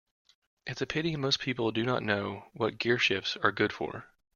It's a pity most people do not know what gearshifts are good for.